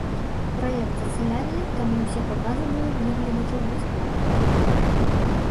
Праект сацыяльны, таму ўсе паказы будуць для гледачоў бясплатнымі.